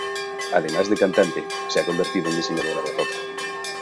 Además de cantante, se ha convertido en diseñadora de ropa.